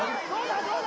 どうだ？